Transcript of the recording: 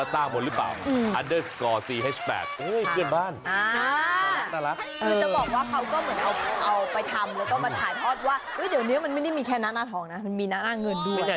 อะยังไงซะขอขอบคุณพี่คนนี้ด้วยนะ